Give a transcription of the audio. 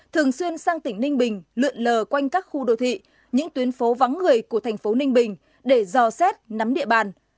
thường xuyên sang tỉnh ninh bình lượn lờ quanh các khu đô thị những tuyến phố vắng người của thành phố ninh bình để giò xét nắm địa bàn